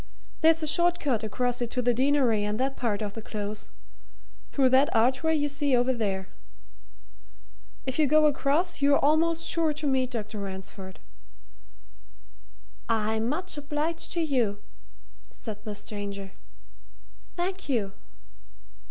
There's a short cut across it to the Deanery and that part of the Close through that archway you see over there. If you go across, you're almost sure to meet Dr. Ransford." "I'm much obliged to you," said the stranger. "Thank you."